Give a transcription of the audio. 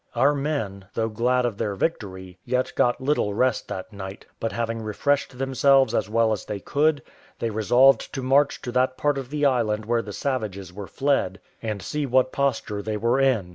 Our men, though glad of their victory, yet got little rest that night; but having refreshed themselves as well as they could, they resolved to march to that part of the island where the savages were fled, and see what posture they were in.